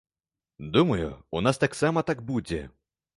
Думаю, у нас таксама так будзе.